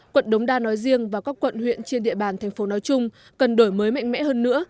quận đống đa nói riêng và các quận huyện trên địa bàn thành phố nói chung cần đổi mới mạnh mẽ hơn nữa